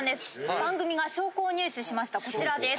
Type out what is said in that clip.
番組が証拠を入手しましたこちらです。